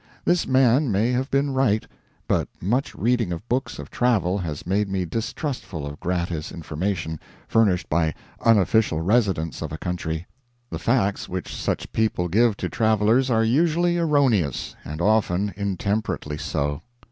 This man may have been right, but much reading of books of travel has made me distrustful of gratis information furnished by unofficial residents of a country. The facts which such people give to travelers are usually erroneous, and often intemperately so.